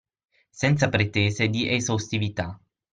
Senza pretese di esaustività.